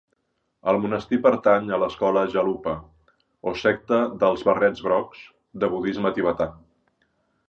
El monestir pertany a l'escola gelupa, o secta dels barrets grocs, de budisme tibetà.